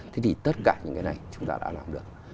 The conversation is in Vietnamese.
thế thì tất cả những cái này chúng ta đã làm được